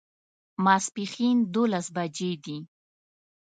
ماسپښین دوولس بجې دي